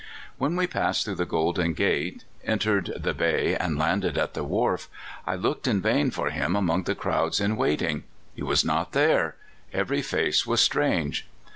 When we passed through the Golden Gate, entered the bay, and landed at the wharf, I looked in vain for him among the crowds in wait ing. He was not there — every face was strange.